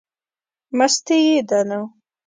مستي یې ده نو.